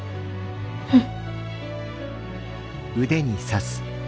うん。